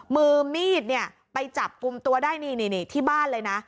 มือมีดเนี่ยไปจับกลุ่มตัวได้นี่ที่บ้านเลยนะ